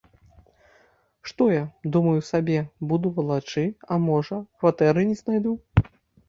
Што я, думаю сабе, буду валачы, а можа, кватэры не знайду.